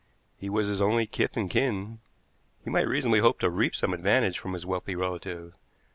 He was his only kith and kin; he might reasonably hope to reap some advantage from his wealthy relative.